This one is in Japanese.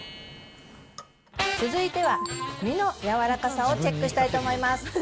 続いては身の柔らかさをチェックしたいと思います。